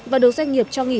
và đều doanh nghiệp cho nghỉ